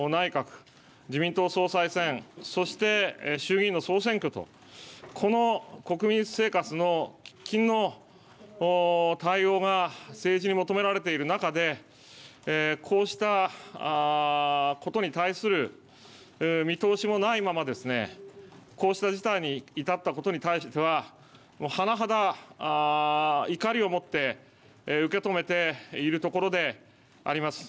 衆議院の総選挙とこの国民生活の喫緊の対応が政治に求められている中で、こうしたことに対する見通しもないままこうした事態に至ったことに対しては甚だ怒りを持って受け止めているところであります。